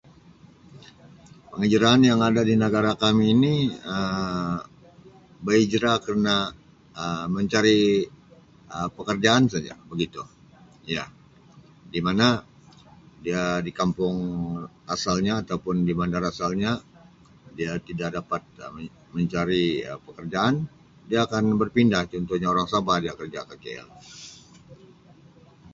Pengajaran yang ada di negara kami ini Um berhijrah kerna Um mencari Um pekerjaan saja begitu. Ya, di mana dia di kampung asalnya atau pun di bandar asalnya dia tidak dapat Um men-mencari Um pekerjaan dia akan berpindah contohnya orang Sabah dia kerja ke KL.